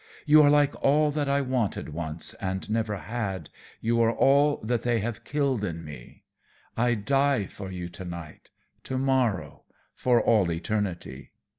You are like all that I wanted once and never had, you are all that they have killed in me. I die for you to night, to morrow, for all eternity.